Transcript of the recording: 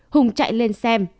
hùng chạy lên xem